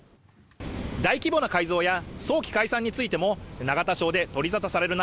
大規模な改造や早期解散についても永田町で取りざたされる